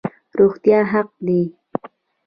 روغتیا حق دی